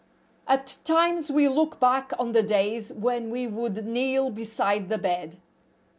TIMES we look back on the days when we would kneel beside the bed.